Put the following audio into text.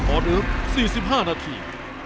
ออเดิร์ฟ๔๕นาที